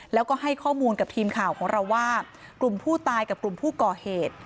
แล้วก็ให้ข้อมูลกับทีมข่าวของเราว่ากลุ่มผู้ตายกับกลุ่มผู้ก่อเหตุ